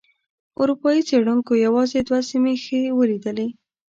اروپایي څېړونکو یوازې دوه سیمې ښه ولیدلې.